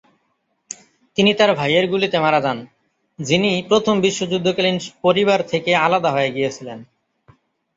তিনি তার ভাইয়ের গুলিতে মারা যান, যিনি প্রথম বিশ্বযুদ্ধকালীন পরিবার থেকে আলাদা হয়ে গিয়েছিলেন।